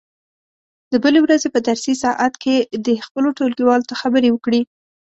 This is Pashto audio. د بلې ورځې په درسي ساعت کې دې خپلو ټولګیوالو ته خبرې وکړي.